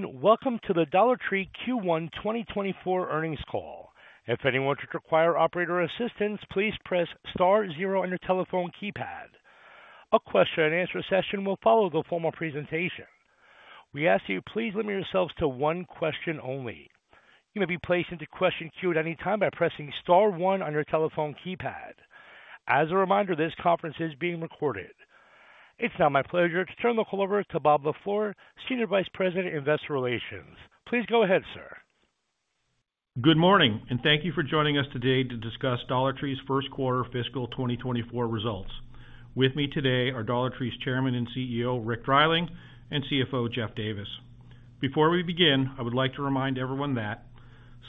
Hello, and welcome to the Dollar Tree Q1 2024 earnings call. If anyone should require operator assistance, please press star zero on your telephone keypad. A question-and-answer session will follow the formal presentation. We ask that you please limit yourselves to one question only. You may be placed into question queue at any time by pressing star one on your telephone keypad. As a reminder, this conference is being recorded. It's now my pleasure to turn the call over to Bob LaFleur, Senior Vice President, Investor Relations. Please go ahead, sir. Good morning, and thank you for joining us today to discuss Dollar Tree's first quarter fiscal 2024 results. With me today are Dollar Tree's Chairman and CEO, Rick Dreiling, and CFO, Jeff Davis. Before we begin, I would like to remind everyone that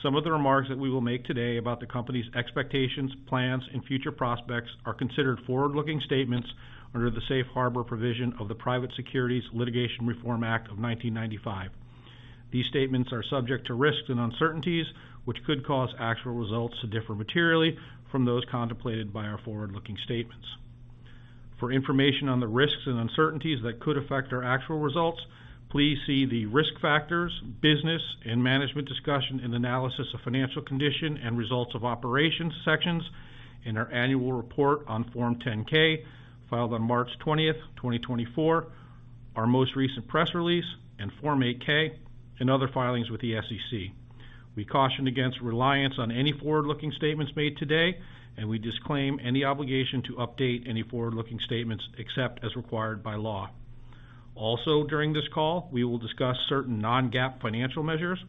some of the remarks that we will make today about the company's expectations, plans, and future prospects are considered forward-looking statements under the Safe Harbor provision of the Private Securities Litigation Reform Act of 1995. These statements are subject to risks and uncertainties, which could cause actual results to differ materially from those contemplated by our forward-looking statements. For information on the risks and uncertainties that could affect our actual results, please see the Risk Factors, Business and Management Discussion, and Analysis of Financial Condition and Results of Operations sections in our annual report on Form 10-K, filed on March 20, 2024, our most recent press release, and Form 8-K, and other filings with the SEC. We caution against reliance on any forward-looking statements made today, and we disclaim any obligation to update any forward-looking statements except as required by law. Also, during this call, we will discuss certain non-GAAP financial measures.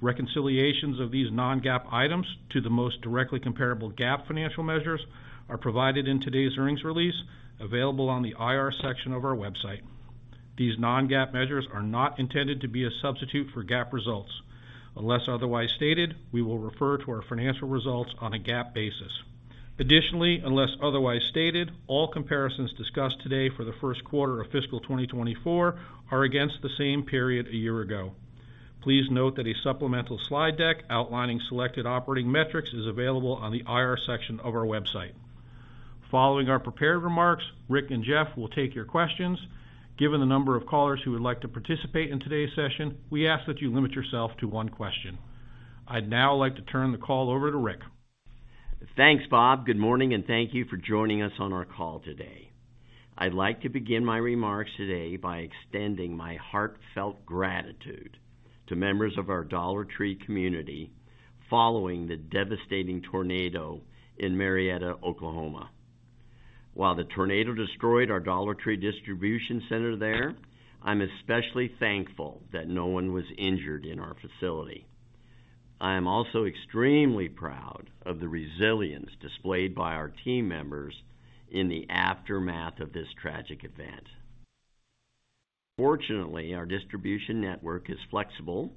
Reconciliations of these non-GAAP items to the most directly comparable GAAP financial measures are provided in today's earnings release, available on the IR section of our website. These non-GAAP measures are not intended to be a substitute for GAAP results. Unless otherwise stated, we will refer to our financial results on a GAAP basis. Additionally, unless otherwise stated, all comparisons discussed today for the first quarter of fiscal 2024 are against the same period a year ago. Please note that a supplemental slide deck outlining selected operating metrics is available on the IR section of our website. Following our prepared remarks, Rick and Jeff will take your questions. Given the number of callers who would like to participate in today's session, we ask that you limit yourself to one question. I'd now like to turn the call over to Rick. Thanks, Bob. Good morning, and thank you for joining us on our call today. I'd like to begin my remarks today by extending my heartfelt gratitude to members of our Dollar Tree community following the devastating tornado in Marietta, Oklahoma. While the tornado destroyed our Dollar Tree distribution center there, I'm especially thankful that no one was injured in our facility. I am also extremely proud of the resilience displayed by our team members in the aftermath of this tragic event. Fortunately, our distribution network is flexible,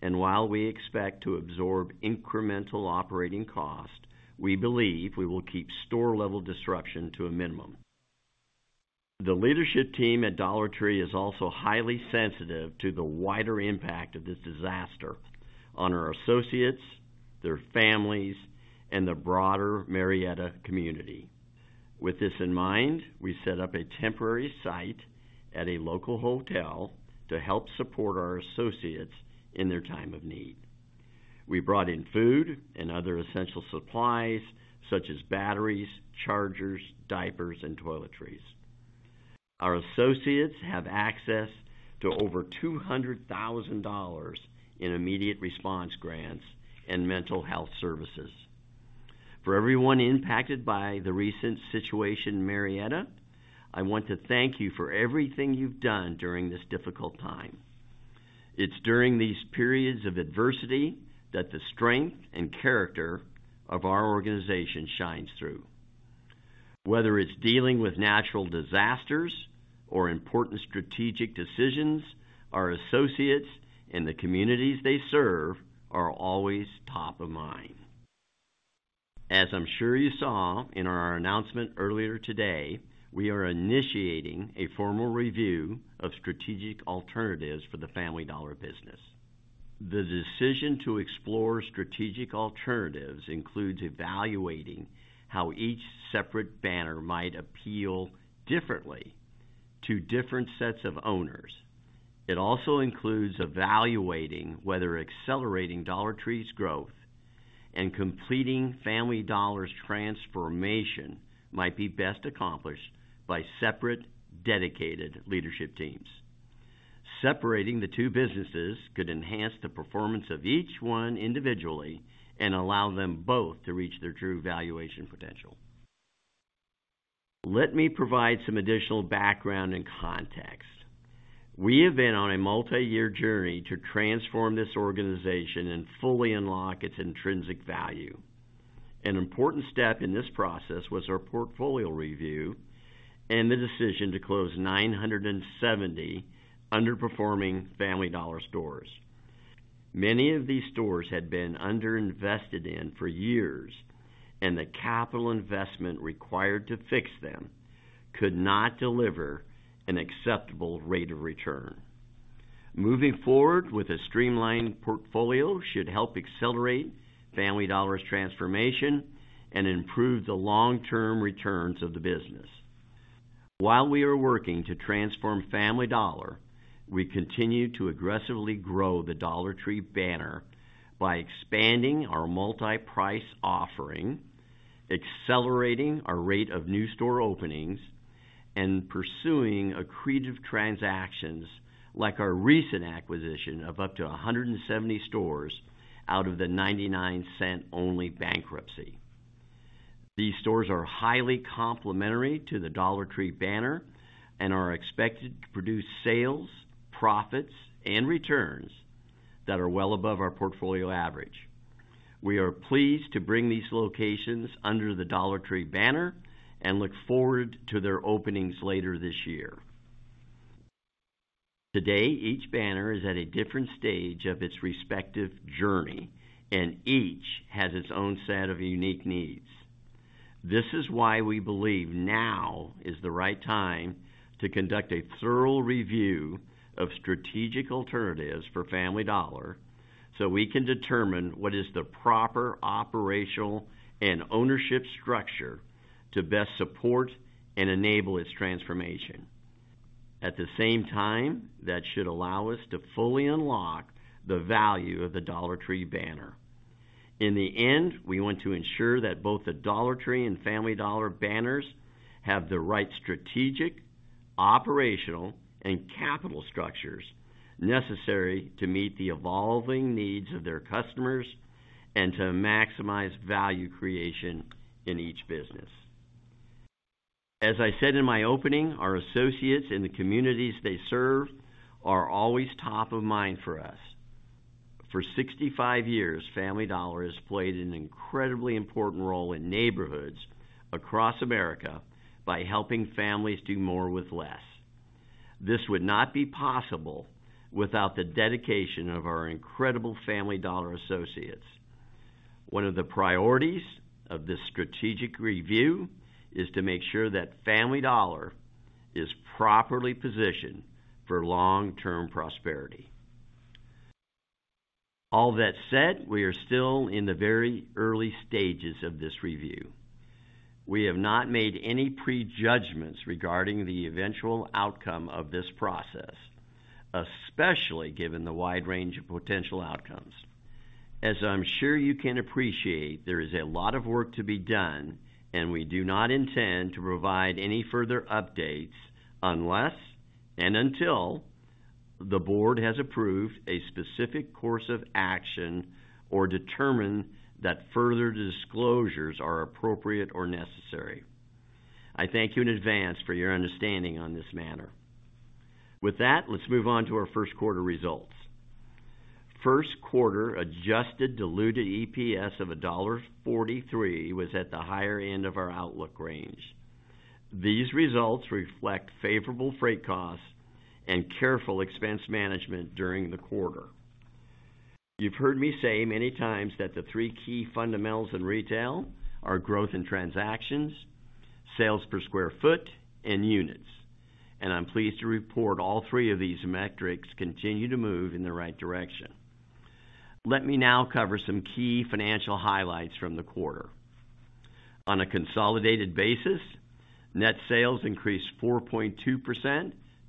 and while we expect to absorb incremental operating cost, we believe we will keep store-level disruption to a minimum. The leadership team at Dollar Tree is also highly sensitive to the wider impact of this disaster on our associates, their families, and the broader Marietta community. With this in mind, we set up a temporary site at a local hotel to help support our associates in their time of need. We brought in food and other essential supplies such as batteries, chargers, diapers, and toiletries. Our associates have access to over $200,000 in immediate response grants and mental health services. For everyone impacted by the recent situation in Marietta, I want to thank you for everything you've done during this difficult time. It's during these periods of adversity that the strength and character of our organization shines through. Whether it's dealing with natural disasters or important strategic decisions, our associates and the communities they serve are always top of mind. As I'm sure you saw in our announcement earlier today, we are initiating a formal review of strategic alternatives for the Family Dollar business. The decision to explore strategic alternatives includes evaluating how each separate banner might appeal differently to different sets of owners. It also includes evaluating whether accelerating Dollar Tree's growth and completing Family Dollar's transformation might be best accomplished by separate, dedicated leadership teams. Separating the two businesses could enhance the performance of each one individually and allow them both to reach their true valuation potential. Let me provide some additional background and context. We have been on a multiyear journey to transform this organization and fully unlock its intrinsic value. An important step in this process was our portfolio review and the decision to close 970 underperforming Family Dollar stores. Many of these stores had been underinvested in for years, and the capital investment required to fix them could not deliver an acceptable rate of return. Moving forward with a streamlined portfolio should help accelerate Family Dollar's transformation and improve the long-term returns of the business. While we are working to transform Family Dollar, we continue to aggressively grow the Dollar Tree banner by expanding our Multi-Price offering, accelerating our rate of new store openings, and pursuing accretive transactions like our recent acquisition of up to 170 stores out of the 99 Cents Only bankruptcy. These stores are highly complementary to the Dollar Tree banner and are expected to produce sales, profits, and returns that are well above our portfolio average. We are pleased to bring these locations under the Dollar Tree banner and look forward to their openings later this year. Today, each banner is at a different stage of its respective journey, and each has its own set of unique needs. This is why we believe now is the right time to conduct a thorough review of strategic alternatives for Family Dollar, so we can determine what is the proper operational and ownership structure to best support and enable its transformation. At the same time, that should allow us to fully unlock the value of the Dollar Tree banner. In the end, we want to ensure that both the Dollar Tree and Family Dollar banners have the right strategic, operational, and capital structures necessary to meet the evolving needs of their customers and to maximize value creation in each business. As I said in my opening, our associates and the communities they serve are always top of mind for us. For 65 years, Family Dollar has played an incredibly important role in neighborhoods across America by helping families do more with less. This would not be possible without the dedication of our incredible Family Dollar associates. One of the priorities of this strategic review is to make sure that Family Dollar is properly positioned for long-term prosperity. All that said, we are still in the very early stages of this review. We have not made any prejudgments regarding the eventual outcome of this process, especially given the wide range of potential outcomes. As I'm sure you can appreciate, there is a lot of work to be done, and we do not intend to provide any further updates unless and until the board has approved a specific course of action or determined that further disclosures are appropriate or necessary. I thank you in advance for your understanding on this matter. With that, let's move on to our first quarter results. First quarter Adjusted Diluted EPS of $1.43 was at the higher end of our outlook range. These results reflect favorable freight costs and careful expense management during the quarter. You've heard me say many times that the three key fundamentals in retail are growth in transactions, sales per square foot, and units. I'm pleased to report all three of these metrics continue to move in the right direction. Let me now cover some key financial highlights from the quarter. On a consolidated basis, net sales increased 4.2%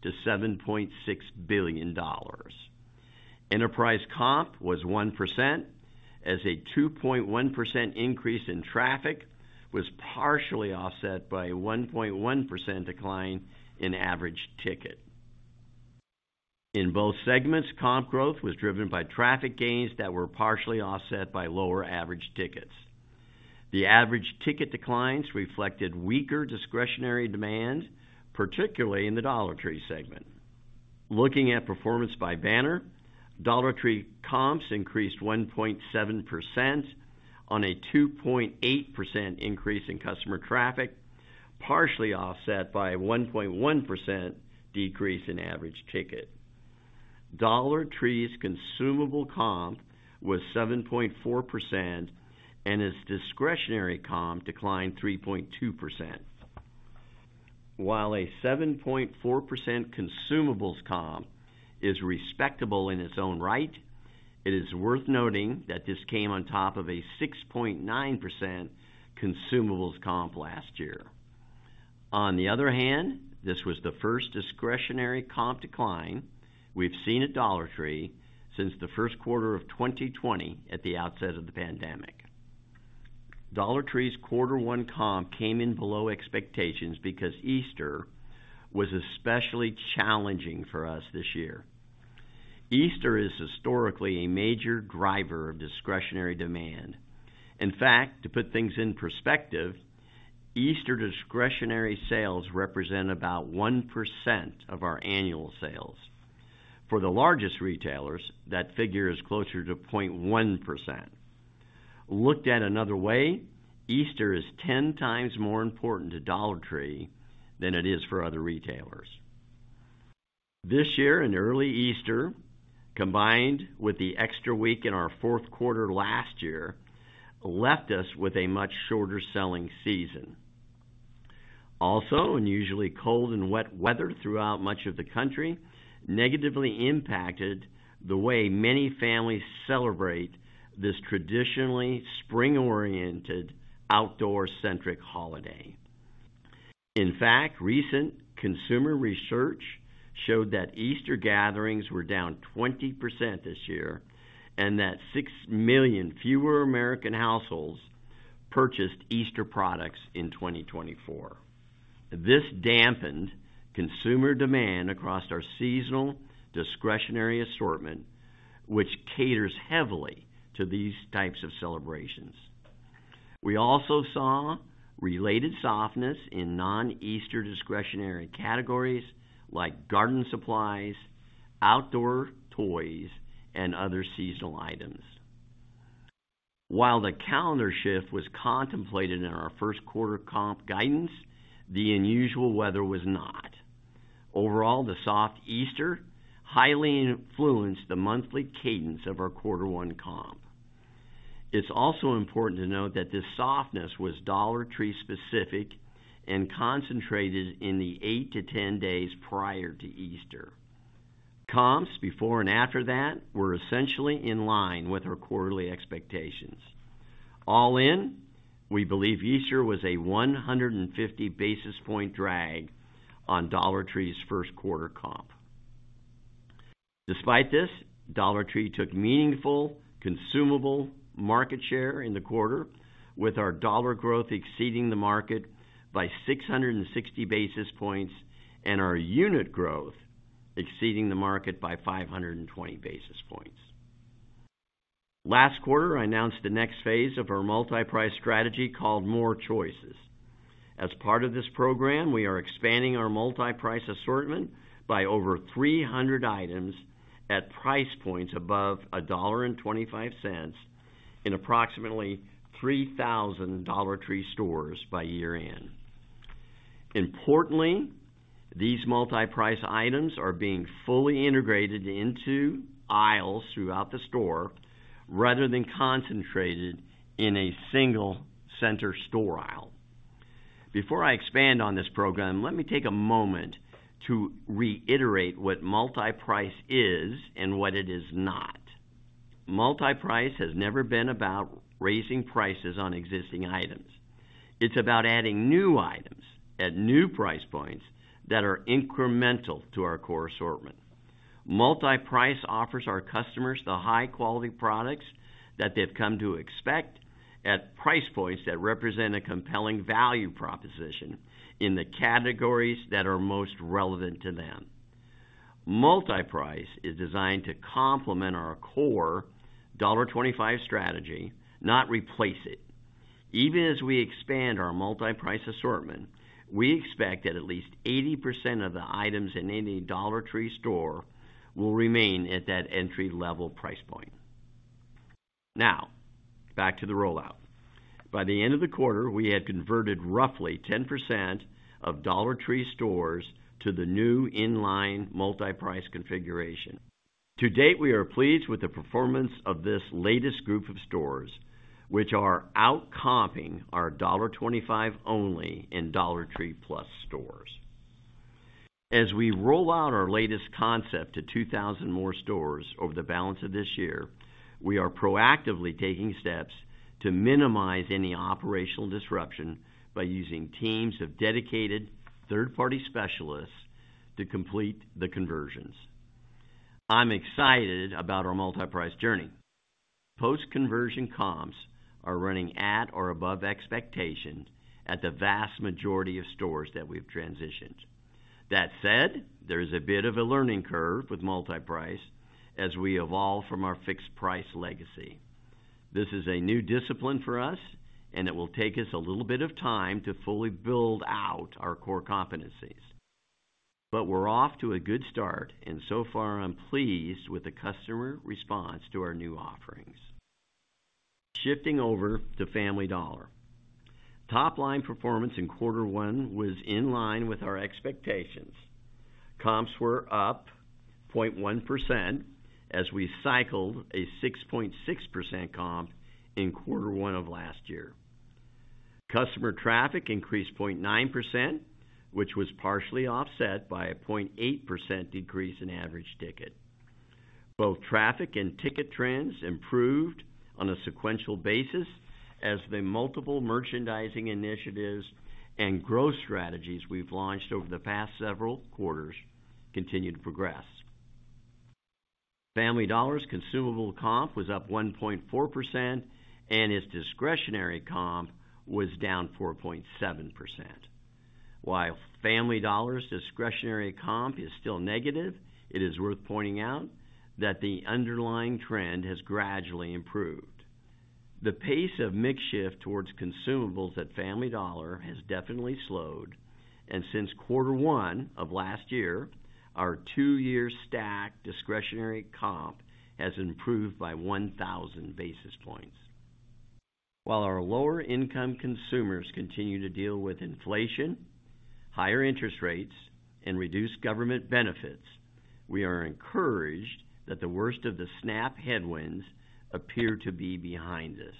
to $7.6 billion. Enterprise comp was 1%, as a 2.1% increase in traffic was partially offset by a 1.1% decline in average ticket. In both segments, comp growth was driven by traffic gains that were partially offset by lower average tickets. The average ticket declines reflected weaker discretionary demand, particularly in the Dollar Tree segment. Looking at performance by banner, Dollar Tree comps increased 1.7% on a 2.8% increase in customer traffic, partially offset by a 1.1% decrease in average ticket. Dollar Tree's consumable comp was 7.4% and its discretionary comp declined 3.2%. While a 7.4% consumables comp is respectable in its own right, it is worth noting that this came on top of a 6.9% consumables comp last year. On the other hand, this was the first discretionary comp decline we've seen at Dollar Tree since the first quarter of 2020, at the outset of the pandemic. Dollar Tree's quarter one comp came in below expectations because Easter was especially challenging for us this year. Easter is historically a major driver of discretionary demand. In fact, to put things in perspective, Easter discretionary sales represent about 1% of our annual sales. For the largest retailers, that figure is closer to 0.1%. Looked at another way, Easter is 10 times more important to Dollar Tree than it is for other retailers. This year, an early Easter, combined with the extra week in our fourth quarter last year, left us with a much shorter selling season. Also, unusually cold and wet weather throughout much of the country negatively impacted the way many families celebrate this traditionally spring-oriented, outdoor-centric holiday... In fact, recent consumer research showed that Easter gatherings were down 20% this year, and that 6 million fewer American households purchased Easter products in 2024. This dampened consumer demand across our seasonal discretionary assortment, which caters heavily to these types of celebrations. We also saw related softness in non-Easter discretionary categories like garden supplies, outdoor toys, and other seasonal items. While the calendar shift was contemplated in our first quarter comp guidance, the unusual weather was not. Overall, the soft Easter highly influenced the monthly cadence of our quarter one comp. It's also important to note that this softness was Dollar Tree specific and concentrated in the 8-10 days prior to Easter. Comps before and after that were essentially in line with our quarterly expectations. All in, we believe Easter was a 150 basis point drag on Dollar Tree's first quarter comp. Despite this, Dollar Tree took meaningful consumable market share in the quarter, with our dollar growth exceeding the market by 660 basis points and our unit growth exceeding the market by 520 basis points. Last quarter, I announced the next phase of our Multi-Price strategy, called More Choices. As part of this program, we are expanding our Multi-Price assortment by over 300 items at price points above $1.25 in approximately 3,000 Dollar Tree stores by year-end. Importantly, these Multi-Price items are being fully integrated into aisles throughout the store rather than concentrated in a single center store aisle. Before I expand on this program, let me take a moment to reiterate what Multi-Price is and what it is not. Multi-Price has never been about raising prices on existing items. It's about adding new items at new price points that are incremental to our core assortment. Multi-Price offers our customers the high-quality products that they've come to expect at price points that represent a compelling value proposition in the categories that are most relevant to them. Multi-Price is designed to complement our core $1.25 strategy, not replace it. Even as we expand our Multi-Price assortment, we expect that at least 80% of the items in any Dollar Tree store will remain at that entry-level price point. Now, back to the rollout. By the end of the quarter, we had converted roughly 10% of Dollar Tree stores to the new in-line Multi-Price configuration. To date, we are pleased with the performance of this latest group of stores, which are out-comping our $1.25-only in Dollar Tree Plus stores. As we roll out our latest concept to 2,000 more stores over the balance of this year, we are proactively taking steps to minimize any operational disruption by using teams of dedicated third-party specialists to complete the conversions. I'm excited about our Multi-Price journey. Post-conversion comps are running at or above expectation at the vast majority of stores that we've transitioned. That said, there is a bit of a learning curve with Multi-Price as we evolve from our fixed price legacy. This is a new discipline for us, and it will take us a little bit of time to fully build out our core competencies. But we're off to a good start, and so far, I'm pleased with the customer response to our new offerings. Shifting over to Family Dollar. Top-line performance in quarter one was in line with our expectations. Comps were up 0.1% as we cycled a 6.6% comp in quarter one of last year. Customer traffic increased 0.9%, which was partially offset by a 0.8% decrease in average ticket. Both traffic and ticket trends improved on a sequential basis as the multiple merchandising initiatives and growth strategies we've launched over the past several quarters continued to progress. Family Dollar's consumable comp was up 1.4%, and its discretionary comp was down 4.7%. While Family Dollar's discretionary comp is still negative, it is worth pointing out that the underlying trend has gradually improved. The pace of mix shift towards consumables at Family Dollar has definitely slowed, and since quarter one of last year, our two-year stack discretionary comp has improved by 1,000 basis points. While our lower-income consumers continue to deal with inflation, higher interest rates, and reduced government benefits, we are encouraged that the worst of the SNAP headwinds appear to be behind us.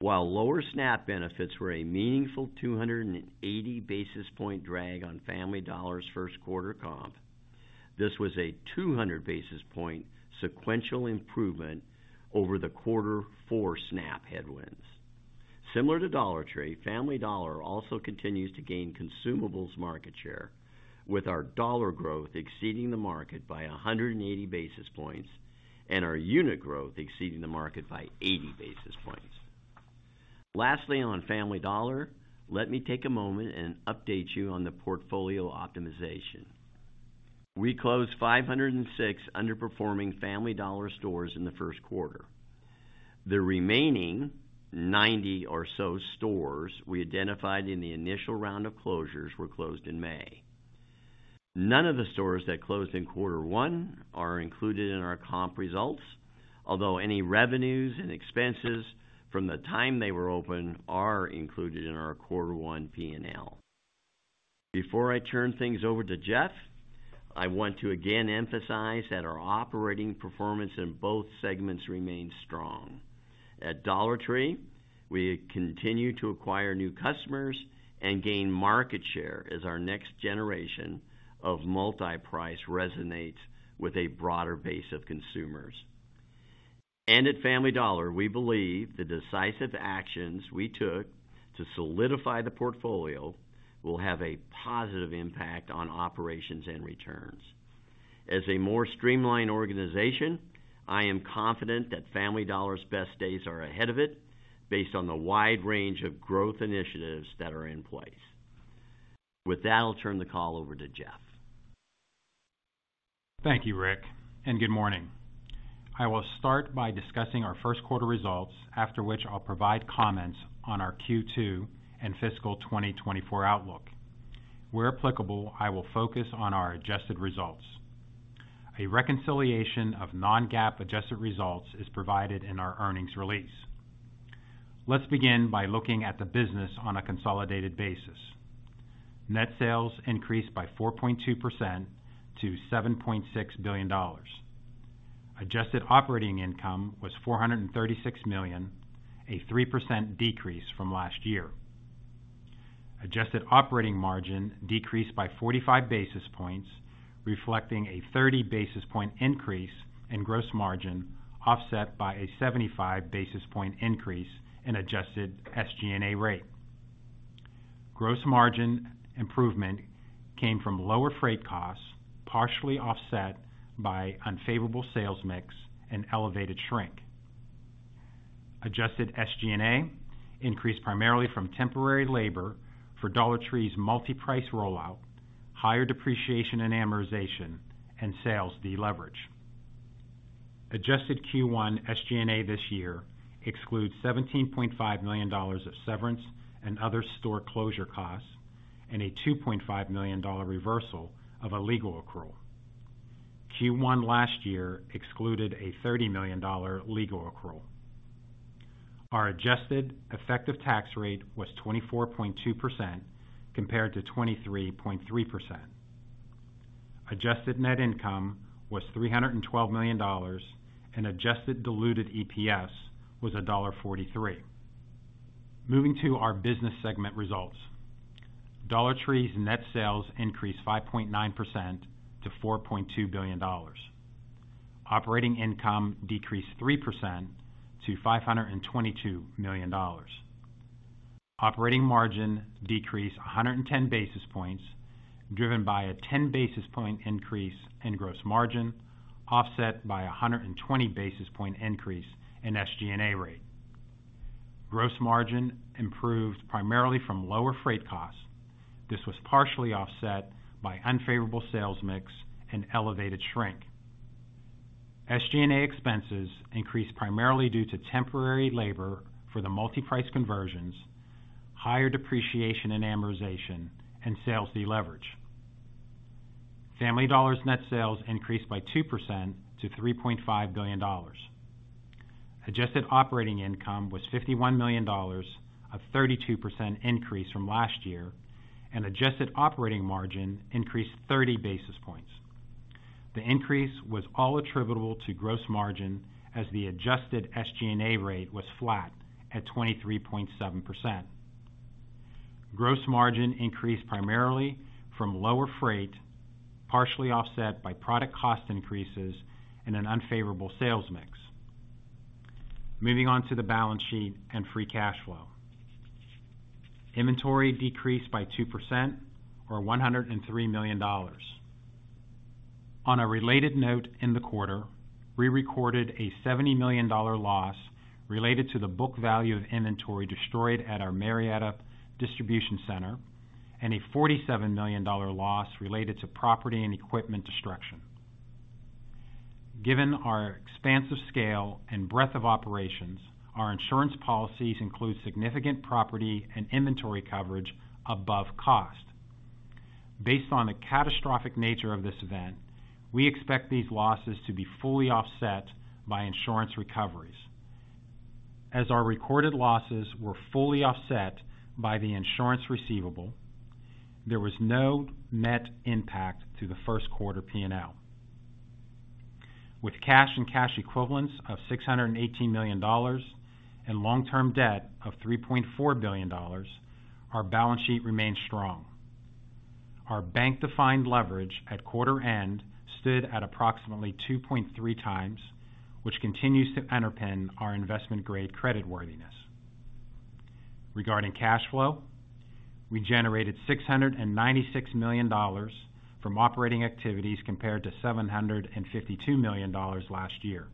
While lower SNAP benefits were a meaningful 280 basis points drag on Family Dollar's first quarter comp... This was a 200 basis points sequential improvement over the quarter four SNAP headwinds. Similar to Dollar Tree, Family Dollar also continues to gain consumables market share, with our dollar growth exceeding the market by 180 basis points, and our unit growth exceeding the market by 80 basis points. Lastly, on Family Dollar, let me take a moment and update you on the portfolio optimization. We closed 506 underperforming Family Dollar stores in the first quarter. The remaining 90 or so stores we identified in the initial round of closures were closed in May. None of the stores that closed in quarter one are included in our comp results, although any revenues and expenses from the time they were open are included in our quarter one P&L. Before I turn things over to Jeff, I want to again emphasize that our operating performance in both segments remains strong. At Dollar Tree, we continue to acquire new customers and gain market share as our next generation of Multi-Price resonates with a broader base of consumers. At Family Dollar, we believe the decisive actions we took to solidify the portfolio will have a positive impact on operations and returns. As a more streamlined organization, I am confident that Family Dollar's best days are ahead of it, based on the wide range of growth initiatives that are in place. With that, I'll turn the call over to Jeff. Thank you, Rick, and good morning. I will start by discussing our first quarter results, after which I'll provide comments on our Q2 and fiscal 2024 outlook. Where applicable, I will focus on our adjusted results. A reconciliation of non-GAAP adjusted results is provided in our earnings release. Let's begin by looking at the business on a consolidated basis. Net sales increased by 4.2% to $7.6 billion. Adjusted operating income was $436 million, a 3% decrease from last year. Adjusted operating margin decreased by 45 basis points, reflecting a 30 basis point increase in gross margin, offset by a 75 basis point increase in adjusted SG&A rate. Gross margin improvement came from lower freight costs, partially offset by unfavorable sales mix and elevated shrink. Adjusted SG&A increased primarily from temporary labor for Dollar Tree's Multi-Price rollout, higher depreciation and amortization, and sales deleverage. Adjusted Q1 SG&A this year excludes $17.5 million of severance and other store closure costs, and a $2.5 million reversal of a legal accrual. Q1 last year excluded a $30 million legal accrual. Our adjusted effective tax rate was 24.2% compared to 23.3%. Adjusted net income was $312 million, and adjusted diluted EPS was $1.43. Moving to our business segment results. Dollar Tree's net sales increased 5.9% to $4.2 billion. Operating income decreased 3% to $522 million. Operating margin decreased 110 basis points, driven by a 10 basis point increase in gross margin, offset by 120 basis point increase in SG&A rate. Gross margin improved primarily from lower freight costs. This was partially offset by unfavorable sales mix and elevated shrink. SG&A expenses increased primarily due to temporary labor for the Multi-Price conversions, higher depreciation and amortization, and sales deleverage. Family Dollar's net sales increased by 2% to $3.5 billion. Adjusted operating income was $51 million, a 32% increase from last year, and adjusted operating margin increased 30 basis points. The increase was all attributable to gross margin as the adjusted SG&A rate was flat at 23.7%. Gross margin increased primarily from lower freight, partially offset by product cost increases and an unfavorable sales mix. Moving on to the balance sheet and free cash flow. Inventory decreased by 2% or $103 million. On a related note in the quarter, we recorded a $70 million loss related to the book value of inventory destroyed at our Marietta distribution center, and a $47 million loss related to property and equipment destruction. Given our expansive scale and breadth of operations, our insurance policies include significant property and inventory coverage above cost. Based on the catastrophic nature of this event, we expect these losses to be fully offset by insurance recoveries. As our recorded losses were fully offset by the insurance receivable, there was no net impact to the first quarter P&L. With cash and cash equivalents of $618 million and long-term debt of $3.4 billion, our balance sheet remains strong. Our bank-defined leverage at quarter end stood at approximately 2.3 times, which continues to underpin our investment-grade credit worthiness. Regarding cash flow, we generated $696 million from operating activities compared to $752 million last year.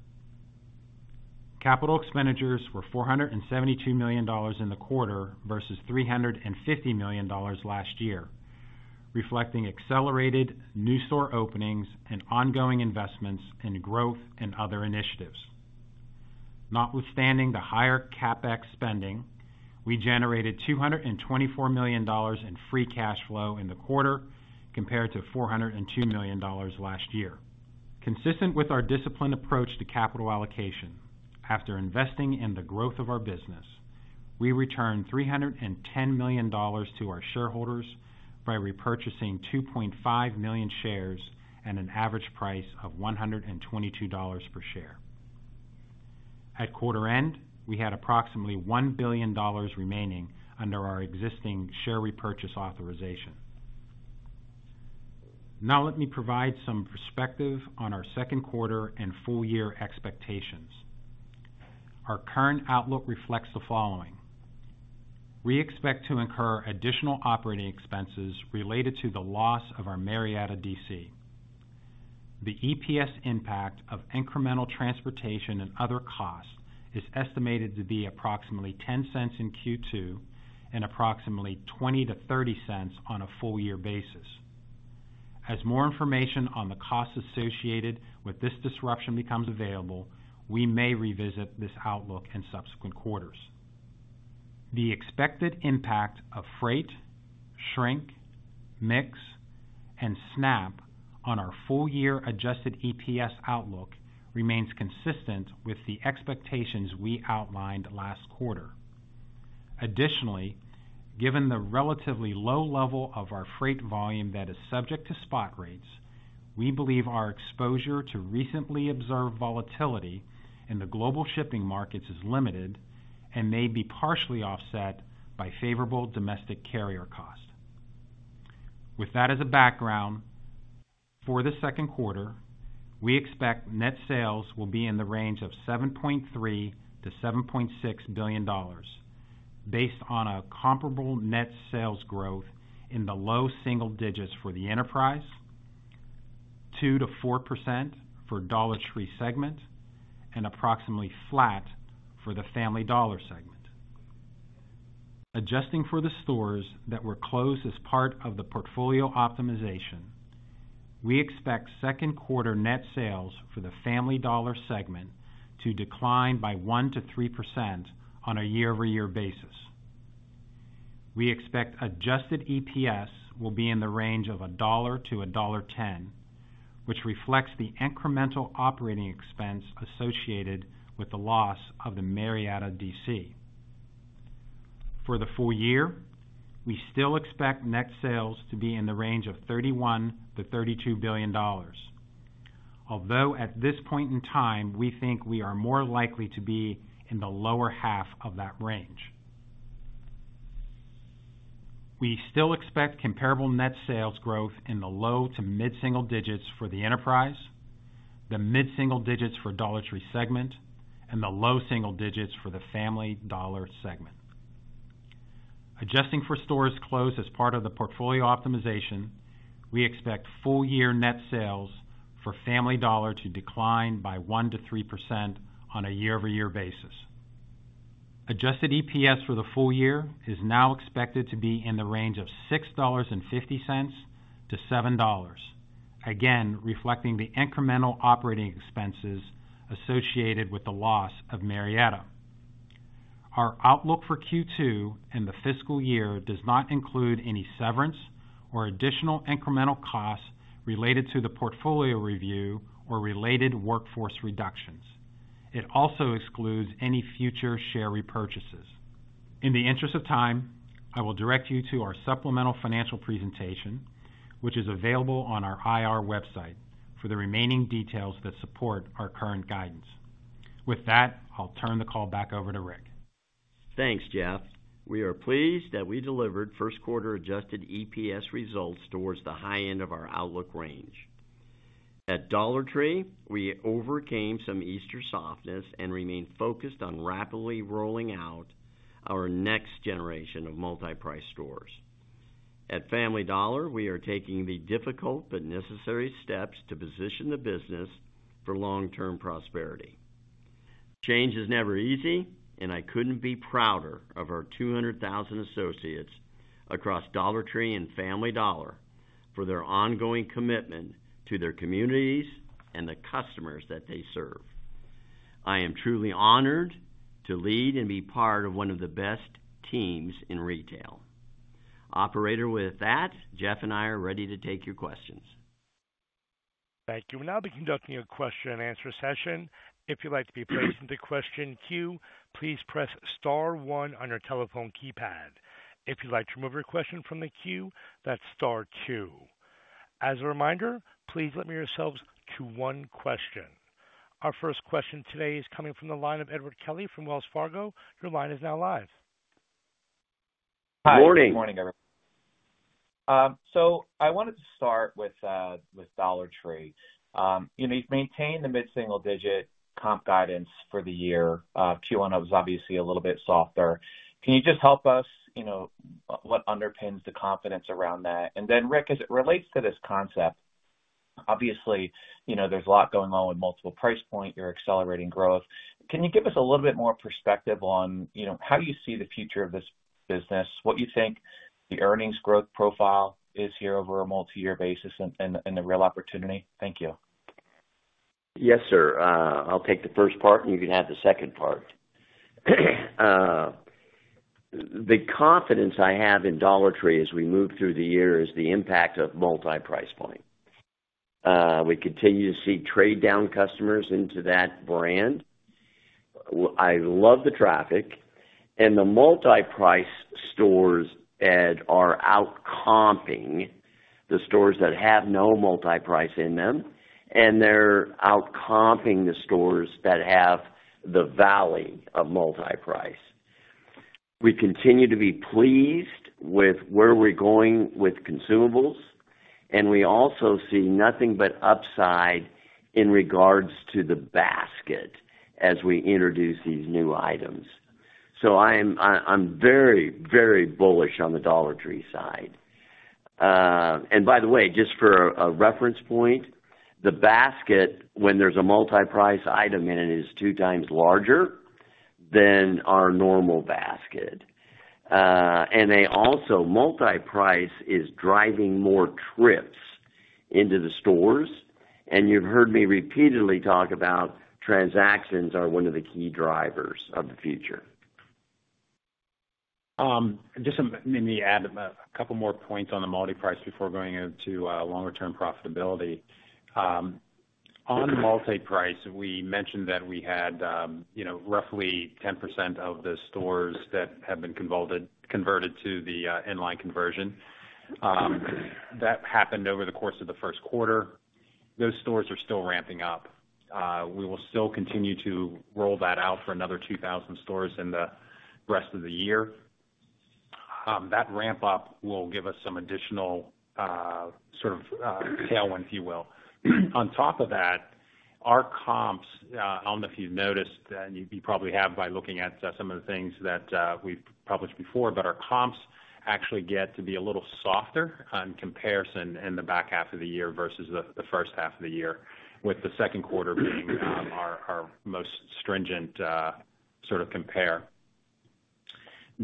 Capital expenditures were $472 million in the quarter versus $350 million last year, reflecting accelerated new store openings and ongoing investments in growth and other initiatives. Notwithstanding the higher CapEx spending, we generated $224 million in free cash flow in the quarter, compared to $402 million last year. Consistent with our disciplined approach to capital allocation, after investing in the growth of our business, we returned $310 million to our shareholders by repurchasing 2.5 million shares at an average price of $122 per share. At quarter end, we had approximately $1 billion remaining under our existing share repurchase authorization. Now let me provide some perspective on our second quarter and full year expectations. Our current outlook reflects the following: We expect to incur additional operating expenses related to the loss of our Marietta DC. The EPS impact of incremental transportation and other costs is estimated to be approximately $0.10 in Q2 and approximately $0.20-$0.30 on a full year basis. As more information on the costs associated with this disruption becomes available, we may revisit this outlook in subsequent quarters. The expected impact of freight, shrink, mix, and SNAP on our full year adjusted EPS outlook remains consistent with the expectations we outlined last quarter. Additionally, given the relatively low level of our freight volume that is subject to spot rates, we believe our exposure to recently observed volatility in the global shipping markets is limited and may be partially offset by favorable domestic carrier costs. With that as a background, for the second quarter, we expect net sales will be in the range of $7.3 billion-$7.6 billion, based on a comparable net sales growth in the low single digits for the enterprise, 2%-4% for Dollar Tree segment, and approximately flat for the Family Dollar segment. Adjusting for the stores that were closed as part of the portfolio optimization, we expect second quarter net sales for the Family Dollar segment to decline by 1%-3% on a year-over-year basis. We expect adjusted EPS will be in the range of $1.00-$1.10, which reflects the incremental operating expense associated with the loss of the Marietta DC. For the full year, we still expect net sales to be in the range of $31 billion-$32 billion, although at this point in time, we think we are more likely to be in the lower half of that range. We still expect comparable net sales growth in the low to mid-single digits for the enterprise, the mid-single digits for Dollar Tree segment, and the low single digits for the Family Dollar segment. Adjusting for stores closed as part of the portfolio optimization, we expect full year net sales for Family Dollar to decline by 1%-3% on a year-over-year basis. Adjusted EPS for the full year is now expected to be in the range of $6.50-$7, again, reflecting the incremental operating expenses associated with the loss of Marietta. Our outlook for Q2 and the fiscal year does not include any severance or additional incremental costs related to the portfolio review or related workforce reductions. It also excludes any future share repurchases. In the interest of time, I will direct you to our supplemental financial presentation, which is available on our IR website, for the remaining details that support our current guidance. With that, I'll turn the call back over to Rick. Thanks, Jeff. We are pleased that we delivered first quarter adjusted EPS results towards the high end of our outlook range. At Dollar Tree, we overcame some Easter softness and remain focused on rapidly rolling out our next generation of Multi-Price stores. At Family Dollar, we are taking the difficult but necessary steps to position the business for long-term prosperity. Change is never easy, and I couldn't be prouder of our 200,000 associates across Dollar Tree and Family Dollar for their ongoing commitment to their communities and the customers that they serve. I am truly honored to lead and be part of one of the best teams in retail. Operator, with that, Jeff and I are ready to take your questions. Thank you. We'll now be conducting a question and answer session. If you'd like to be placed in the question queue, please press star one on your telephone keypad. If you'd like to remove your question from the queue, that's star two. As a reminder, please limit yourselves to one question. Our first question today is coming from the line of Edward Kelly from Wells Fargo. Your line is now live. Hi. Good morning. Good morning, everyone. So I wanted to start with Dollar Tree. You know, you've maintained the mid-single-digit comp guidance for the year. Q1 was obviously a little bit softer. Can you just help us, you know, what underpins the confidence around that? And then, Rick, as it relates to this concept, obviously, you know, there's a lot going on with multiple price point. You're accelerating growth. Can you give us a little bit more perspective on, you know, how do you see the future of this business, what you think the earnings growth profile is here over a multi-year basis and, and, and the real opportunity? Thank you. Yes, sir. I'll take the first part, and you can have the second part. The confidence I have in Dollar Tree as we move through the year is the impact of Multi-Price point. We continue to see trade-down customers into that brand. I love the traffic, and the Multi-Price stores, Ed, are outcomping the stores that have no Multi-Price in them, and they're outcomping the stores that have the valley of Multi-Price. We continue to be pleased with where we're going with consumables, and we also see nothing but upside in regards to the basket as we introduce these new items. So I'm, I, I'm very, very bullish on the Dollar Tree side. And by the way, just for a reference point, the basket, when there's a Multi-Price item in it, is two times larger than our normal basket. And they also, Multi-Price is driving more trips into the stores, and you've heard me repeatedly talk about transactions are one of the key drivers of the future. Just let me add a couple more points on the Multi-Price before going into longer-term profitability. On Multi-Price, we mentioned that we had, you know, roughly 10% of the stores that have been converted to the inline conversion. That happened over the course of the first quarter. Those stores are still ramping up. We will still continue to roll that out for another 2,000 stores in the rest of the year. That ramp-up will give us some additional, sort of, tailwind, if you will. On top of that, our comps, I don't know if you've noticed, and you probably have by looking at some of the things that we've published before, but our comps actually get to be a little softer on comparison in the back half of the year versus the first half of the year, with the second quarter being our most stringent sort of compare.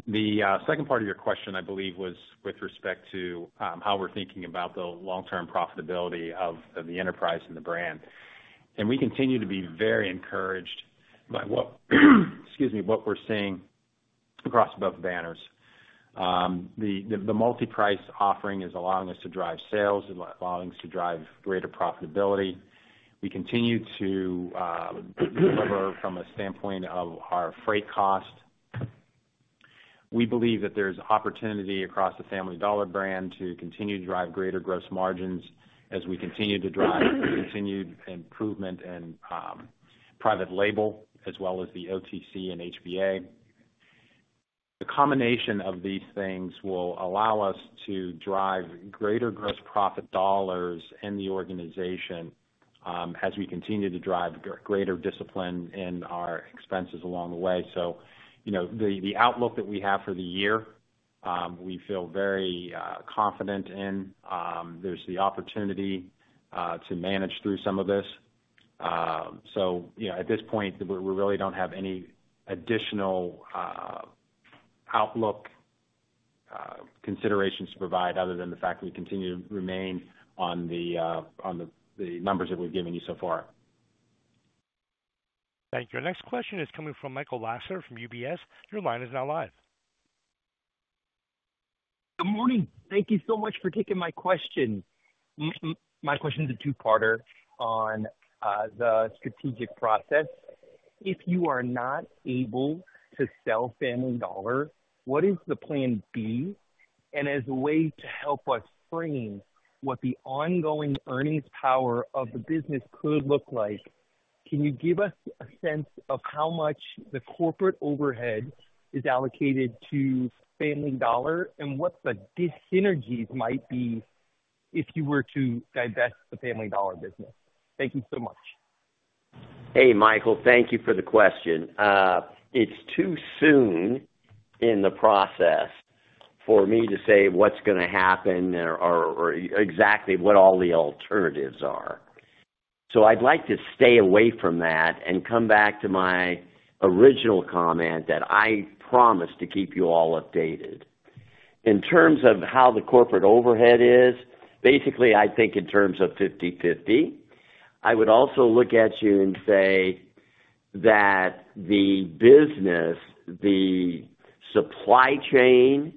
The second part of your question, I believe, was with respect to how we're thinking about the long-term profitability of the enterprise and the brand. We continue to be very encouraged by what, excuse me, what we're seeing across both banners. The Multi-Price offering is allowing us to drive sales and allowing us to drive greater profitability. We continue to deliver from a standpoint of our freight cost. We believe that there's opportunity across the Family Dollar brand to continue to drive greater gross margins as we continue to drive continued improvement in private label, as well as the OTC and HBA. The combination of these things will allow us to drive greater gross profit dollars in the organization, as we continue to drive greater discipline in our expenses along the way. So, you know, the outlook that we have for the year, we feel very confident in. There's the opportunity to manage through some of this. So, you know, at this point, we really don't have any additional outlook considerations to provide, other than the fact that we continue to remain on the numbers that we've given you so far. Thank you. Our next question is coming from Michael Lasser from UBS. Your line is now live. Good morning. Thank you so much for taking my question. My question is a two-parter on the strategic process. If you are not able to sell Family Dollar, what is the plan B? And as a way to help us frame what the ongoing earnings power of the business could look like, can you give us a sense of how much the corporate overhead is allocated to Family Dollar, and what the dyssynergies might be if you were to divest the Family Dollar business? Thank you so much. Hey, Michael, thank you for the question. It's too soon in the process for me to say what's gonna happen or, or, or exactly what all the alternatives are. So I'd like to stay away from that and come back to my original comment that I promise to keep you all updated. In terms of how the corporate overhead is, basically, I think in terms of 50/50. I would also look at you and say that the business, the supply chain,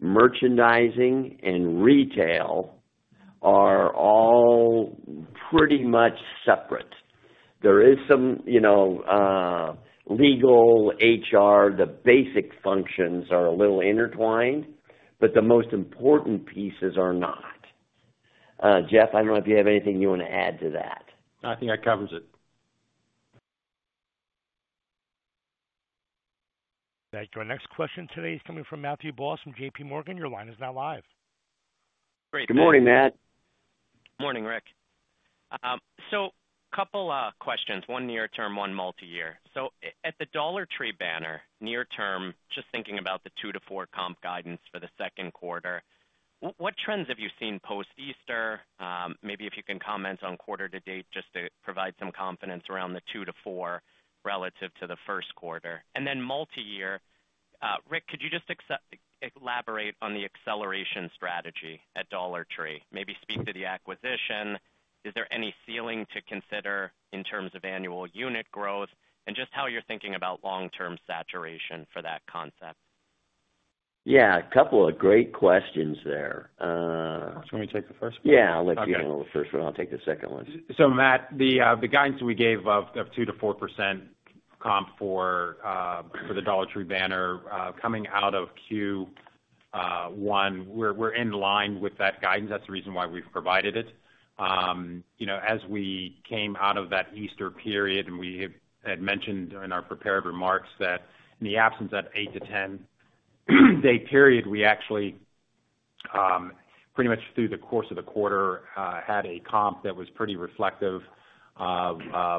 merchandising, and retail are all pretty much separate. There is some, you know, legal HR. The basic functions are a little intertwined, but the most important pieces are not. Jeff, I don't know if you have anything you want to add to that. I think that covers it. Thank you. Our next question today is coming from Matthew Boss, from J.P. Morgan. Your line is now live. Great. Good morning, Matt. Morning, Rick. So couple questions, one near term, one multi-year. So at the Dollar Tree banner, near term, just thinking about the 2-4 comp guidance for the second quarter, what trends have you seen post-Easter? Maybe if you can comment on quarter to date, just to provide some confidence around the 2-4 relative to the first quarter. And then multi-year, Rick, could you just elaborate on the acceleration strategy at Dollar Tree? Maybe speak to the acquisition. Is there any ceiling to consider in terms of annual unit growth and just how you're thinking about long-term saturation for that concept? Yeah, a couple of great questions there. Do you want me to take the first one? Yeah, I'll let you handle the first one. I'll take the second one. So Matt, the guidance we gave of 2%-4% comp for the Dollar Tree banner, coming out of Q1, we're in line with that guidance. That's the reason why we've provided it. You know, as we came out of that Easter period, and we had mentioned during our prepared remarks that in the absence of that 8- to 10-day period, we actually pretty much through the course of the quarter had a comp that was pretty reflective of a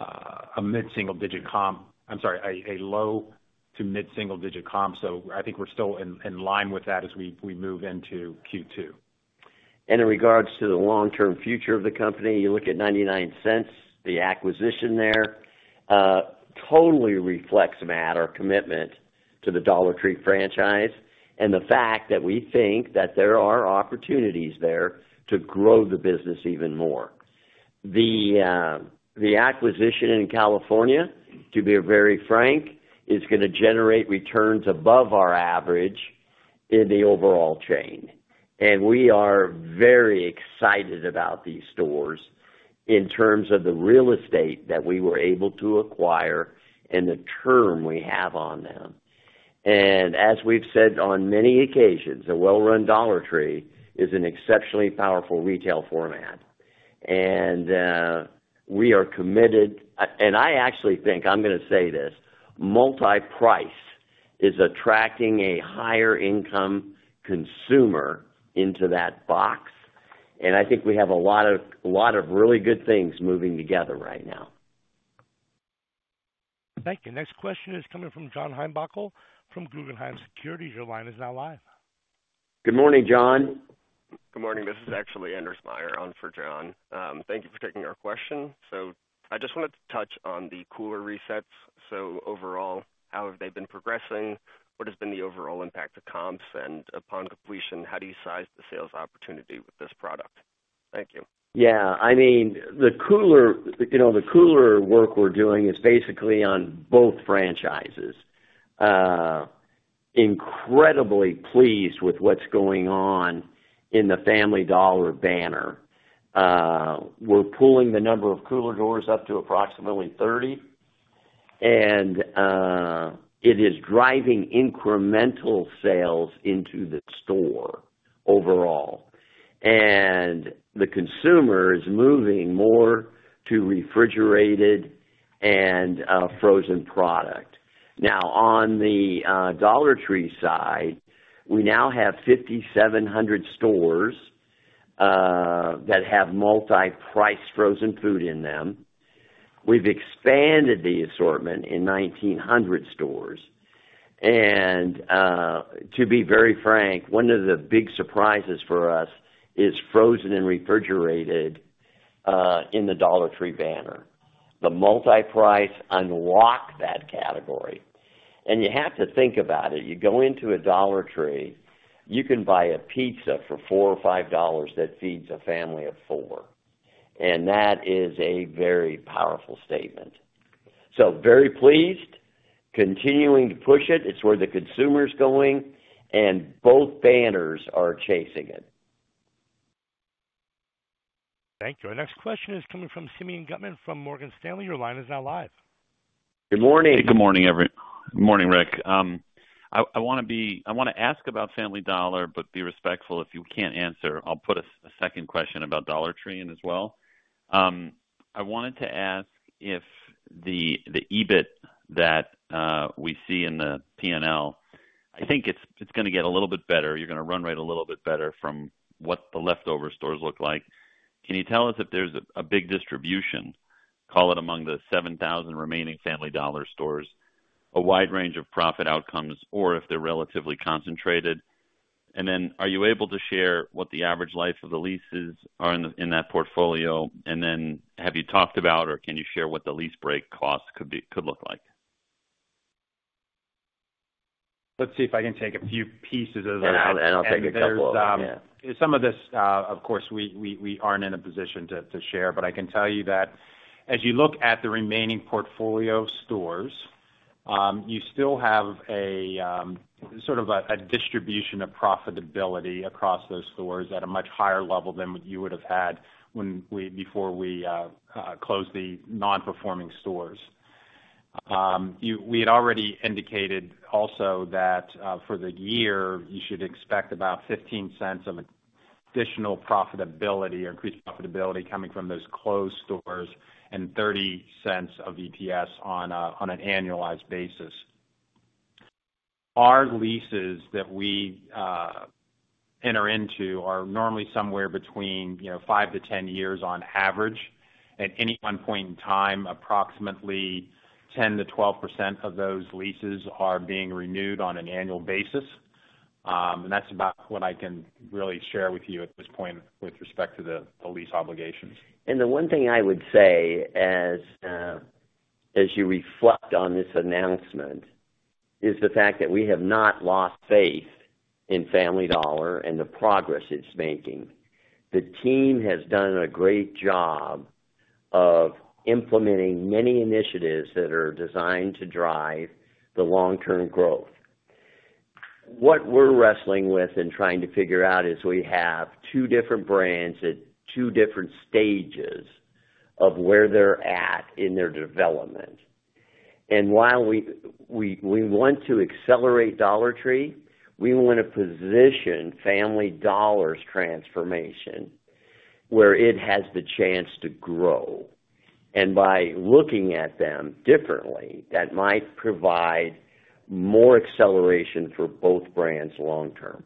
low- to mid-single-digit comp. I'm sorry, a low- to mid-single-digit comp. So I think we're still in line with that as we move into Q2. And in regards to the long-term future of the company, you look at 99 cents, the acquisition there, totally reflects, Matt, our commitment to the Dollar Tree franchise and the fact that we think that there are opportunities there to grow the business even more. The, the acquisition in California, to be very frank, is gonna generate returns above our average in the overall chain. And we are very excited about these stores in terms of the real estate that we were able to acquire and the term we have on them. And as we've said on many occasions, a well-run Dollar Tree is an exceptionally powerful retail format. We are committed, and I actually think, I'm gonna say this, Multi-Price is attracting a higher income consumer into that box, and I think we have a lot of, lot of really good things moving together right now. Thank you. Next question is coming from John Heinbockel from Guggenheim Securities. Your line is now live. Good morning, John. Good morning. This is actually Anders Myhren on for John. Thank you for taking our question. I just wanted to touch on the cooler resets. Overall, how have they been progressing? What has been the overall impact to comps? And upon completion, how do you size the sales opportunity with this product? Thank you. Yeah, I mean, the cooler, you know, the cooler work we're doing is basically on both franchises. Incredibly pleased with what's going on in the Family Dollar banner. We're pulling the number of cooler doors up to approximately 30, and it is driving incremental sales into the store overall. And the consumer is moving more to refrigerated and frozen product. Now, on the Dollar Tree side, we now have 5,700 stores that have Multi-Priced frozen food in them. We've expanded the assortment in 1,900 stores. And to be very frank, one of the big surprises for us is frozen and refrigerated in the Dollar Tree banner. The Multi-Price unlocked that category, and you have to think about it. You go into a Dollar Tree, you can buy a pizza for $4-$5 that feeds a family of 4, and that is a very powerful statement. So very pleased, continuing to push it. It's where the consumer's going, and both banners are chasing it. Thank you. Our next question is coming from Simeon Gutman from Morgan Stanley. Your line is now live. Good morning. Good morning, Rick. I wanna ask about Family Dollar, but be respectful if you can't answer. I'll put a second question about Dollar Tree in as well. I wanted to ask if the EBIT that we see in the PNL, I think it's gonna get a little bit better. You're gonna run rate a little bit better from what the leftover stores look like. Can you tell us if there's a big distribution, call it among the 7,000 remaining Family Dollar stores, a wide range of profit outcomes, or if they're relatively concentrated? And then, are you able to share what the average life of the leases are in that portfolio? And then, have you talked about, or can you share what the lease break cost could look like? Let's see if I can take a few pieces of that. I'll take a couple of them, yeah. Some of this, of course, we aren't in a position to share, but I can tell you that as you look at the remaining portfolio of stores, you still have a sort of a distribution of profitability across those stores at a much higher level than what you would have had when we before we closed the non-performing stores. We had already indicated also that, for the year, you should expect about $0.15 of additional profitability or increased profitability coming from those closed stores and $0.30 of EPS on an annualized basis. Our leases that we enter into are normally somewhere between, you know, 5-10 years on average. At any one point in time, approximately 10%-12% of those leases are being renewed on an annual basis. That's about what I can really share with you at this point with respect to the lease obligations. And the one thing I would say as you reflect on this announcement is the fact that we have not lost faith in Family Dollar and the progress it's making. The team has done a great job of implementing many initiatives that are designed to drive the long-term growth. What we're wrestling with and trying to figure out is we have two different brands at two different stages of where they're at in their development. While we want to accelerate Dollar Tree, we want to position Family Dollar's transformation where it has the chance to grow. By looking at them differently, that might provide more acceleration for both brands long term.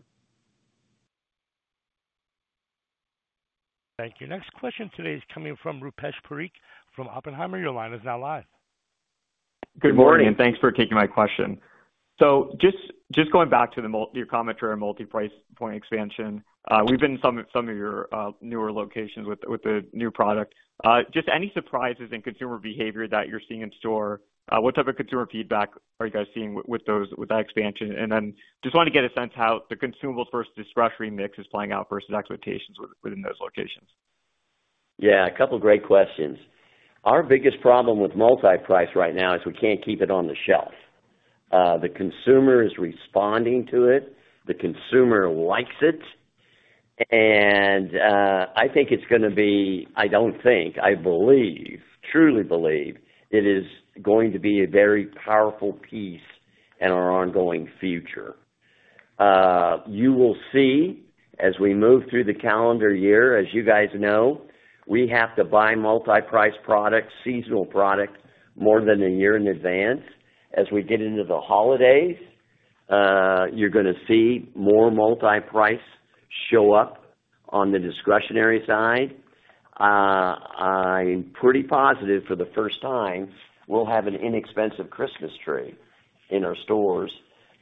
Thank you. Next question today is coming from Rupesh Parikh from Oppenheimer. Your line is now live. Good morning, and thanks for taking my question. So just going back to your commentary on Multi-Price point expansion, we've been in some of your newer locations with the new product. Just any surprises in consumer behavior that you're seeing in store? What type of consumer feedback are you guys seeing with that expansion? And then just want to get a sense how the consumables versus discretionary mix is playing out versus expectations within those locations. Yeah, a couple great questions. Our biggest problem with Multi-Price right now is we can't keep it on the shelf. The consumer is responding to it, the consumer likes it, and I think it's gonna be... I don't think, I believe, truly believe it is going to be a very powerful piece in our ongoing future. You will see, as we move through the calendar year, as you guys know, we have to buy Multi-Price products, seasonal products, more than a year in advance. As we get into the holidays, you're gonna see more Multi-Price show up on the discretionary side. I'm pretty positive for the first time, we'll have an inexpensive Christmas tree in our stores,